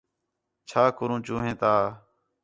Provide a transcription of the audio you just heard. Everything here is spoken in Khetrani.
چَھا کرو چوہیں تا